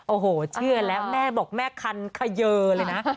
โอ้โหเชื่อแล้วแม่บอกแม่คันเขยอเลยนะ